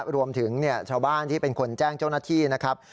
รวมถึงชาวบ้านที่เป็นคนแจ้งเจ้าหน้าที่นะครับ